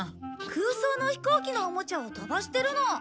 空想の飛行機のおもちゃを飛ばしてるの。